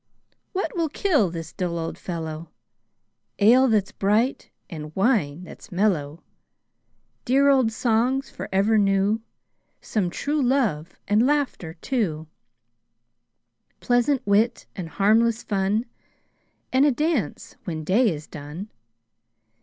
What will kill this dull old fellow? Ale that 's bright, and wine that 's mellow! Dear old songs for ever new; Some true love, and laughter too; Pleasant wit, and harmless fun, And a dance when day is done.